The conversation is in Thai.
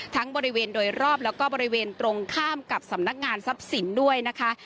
บริเวณโดยรอบแล้วก็บริเวณตรงข้ามกับสำนักงานทรัพย์สินด้วยนะคะ